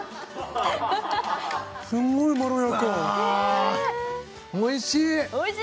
すごいまろやかうわおいしい！